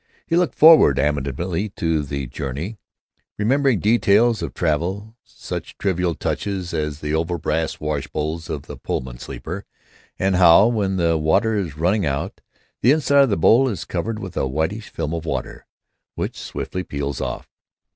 He looked forward animatedly to the journey, remembering details of travel—such trivial touches as the oval brass wash bowls of a Pullman sleeper, and how, when the water is running out, the inside of the bowl is covered with a whitish film of water, which swiftly peels off.